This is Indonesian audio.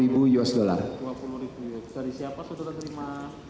dua puluh ribu usd dari siapa saudara terima